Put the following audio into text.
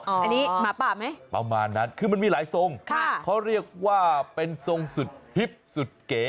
อันนี้หมาป่าไหมประมาณนั้นคือมันมีหลายทรงค่ะเขาเรียกว่าเป็นทรงสุดฮิปสุดเก๋